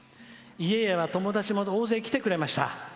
家では友達も大勢来てくれました。